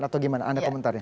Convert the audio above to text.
atau gimana da'h komentarnya